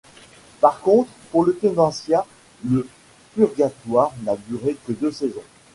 Par contre pour le Tubantia le purgatoire n’a duré que deux saisons.